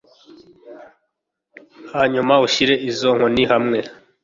hanyuma ushyire izo nkoni hamwe